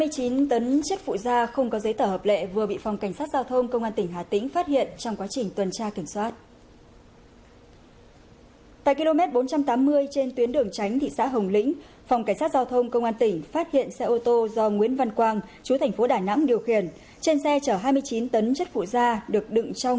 các bạn hãy đăng ký kênh để ủng hộ kênh của chúng mình nhé